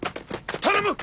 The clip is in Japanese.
頼む！